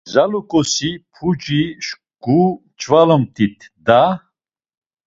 İgzalukosi puci şǩu mç̌valumt̆it da!